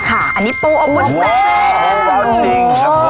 อันนี้ปูอบวุ้นเส้น